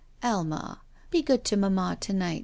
''Alma, be good to mamma to night!